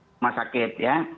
rumah sakit ya